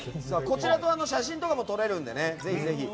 こちら写真とかも撮れるのでぜひぜひ。